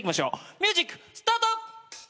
ミュージックスタート！